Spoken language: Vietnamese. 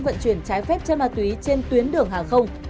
vận chuyển trái phép chân ma túy trên tuyến đường hàng không